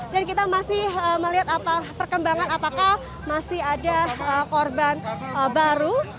dan kita masih melihat perkembangan apakah masih ada korban baru